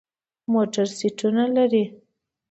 موټر سیټونه لري.